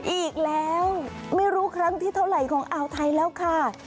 อีกแล้วไม่รู้ครั้งที่เท่าไหร่ของอ่าวไทยแล้วค่ะ